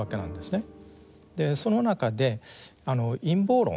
その中で陰謀論